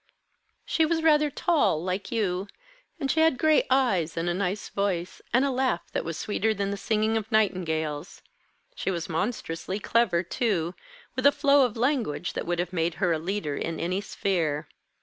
"She was rather tall, like you, and she had gray eyes, and a nice voice, and a laugh that was sweeter than the singing of nightingales. She was monstrously clever, too, with a flow of language that would have made her a leader in any sphere.